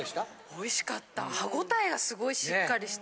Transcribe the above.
おいしかった。